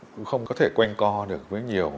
cũng không có thể quen co được với nhiều